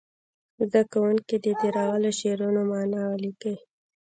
زده کوونکي دې د راغلو شعرونو معنا ولیکي.